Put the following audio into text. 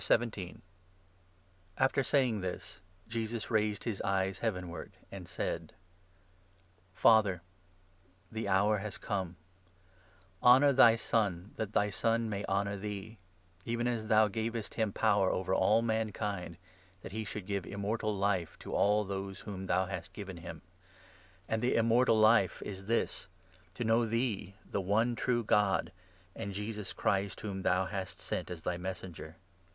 The Prayer After saying this, Jesus raised his eyes heaven i 17 of wards, and said : Je*us " Father, the hour has come ; honour thy Son, that thy Son may honour thee ; even as thou gavest him power over all mankind, 2 that he should give Immortal Life to all those whom thou hast given him. And the Im 3 mortal Life is this — to know thee the one true God, and Jesus Christ whom thou hast sent as thy Messenger.